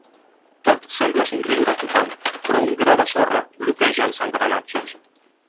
Tot sembla somriure a tothom, però un gra de sorra bloqueja els engranatges.